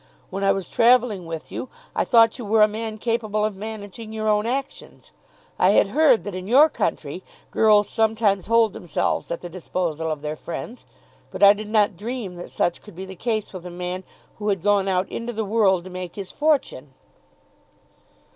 When I was travelling with you, I thought you were a man capable of managing your own actions. I had heard that in your country girls sometimes hold themselves at the disposal of their friends, but I did not dream that such could be the case with a man who had gone out into the world to make his fortune."